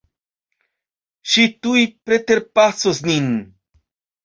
Ŝi tuj preterpasos nin.